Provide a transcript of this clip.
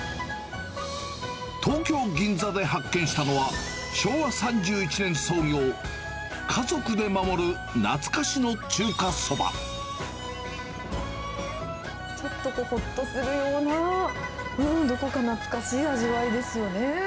東京・銀座で発見したのは、昭和３１年創業、ちょっとほっとするような、どこか懐かしい味わいですよね。